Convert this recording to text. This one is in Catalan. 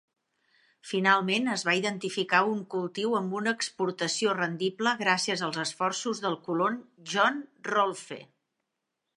Finalment, es va identificar un cultiu amb una exportació rendible gràcies als esforços del colon John Rolfe.